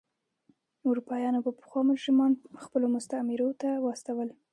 اروپایانو به پخوا مجرمان خپلو مستعمرو ته استول.